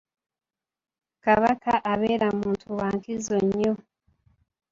Kabaka abeera muntu wa nkizo nnyo.